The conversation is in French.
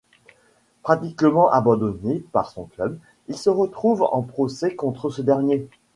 Pratiquement abandonné par son club, il se retrouve en procès contre ce dernier.